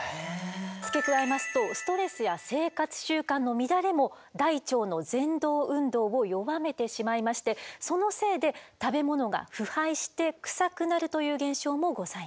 付け加えますとストレスや生活習慣の乱れも大腸のぜん動運動を弱めてしまいましてそのせいで食べ物が腐敗してクサくなるという現象もございます。